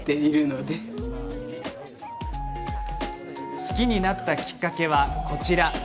好きになったきっかけは、こちら。